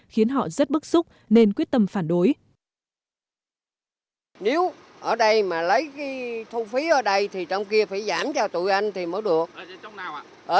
khiến họ rất bức xúc nên quyết tâm phản đối